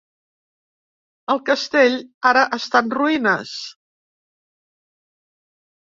El castell ara està en ruïnes.